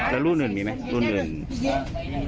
อ๋อลุ่นอื่นมีไหม